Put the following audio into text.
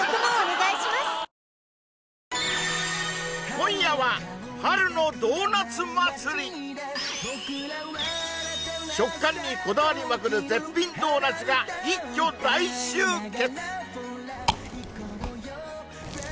今夜は食感にこだわりまくる絶品ドーナツが一挙大集結！